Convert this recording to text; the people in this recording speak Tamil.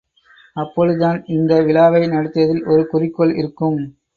அப்பொழுதுதான் இந்த விழாவை நடத்தியதில் ஒரு குறிக்கோள் இருக்கும்.